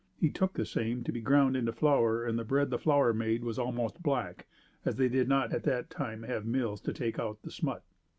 He took the same to be ground into flour and the bread the flour made was almost black, as they did not at that time have mills to take out the smut.